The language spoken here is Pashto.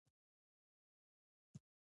د نفقې ورکولو کې بخل مه کوه.